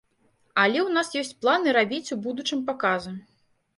Але ў нас ёсць планы рабіць у будучым паказы.